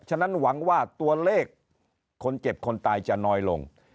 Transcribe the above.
ฉะนั้นหวังว่าตัวเลขคนเจ็บคนตายจะน้อยลง